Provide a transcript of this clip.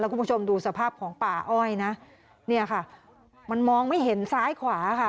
คุณผู้ชมดูสภาพของป่าอ้อยนะเนี่ยค่ะมันมองไม่เห็นซ้ายขวาค่ะ